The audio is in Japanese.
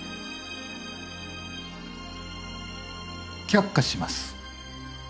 却下します。